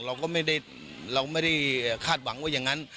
เราก็ไม่ได้เราไม่ได้คาดหวังว่าอย่างนั้น